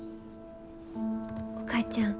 お母ちゃん。